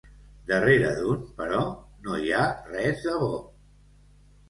Darrere d'un però, no hi ha res de bo.